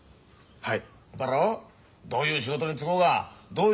はい。